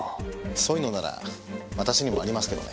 そういうのなら私にもありますけどね。